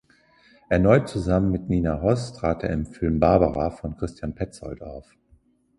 Erneut zusammen mit Nina Hoss trat er im Film "Barbara" von Christian Petzold auf.